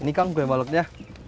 ini kan kue baloknya